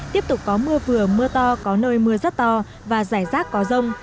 tiếp tục có mưa vừa mưa to có nơi mưa rất to và rải rác có rông